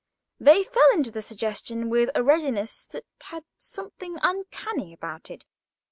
They fell into the suggestion with a readiness that had something uncanny about it.